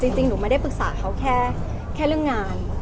จริงหนูไม่ได้ปรึกษาเขาแค่เรื่องงาน